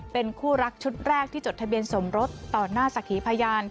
เป็นคู่รักชุดแรกที่จดทะเบียนสมรสต่อหน้าสักขีพยาน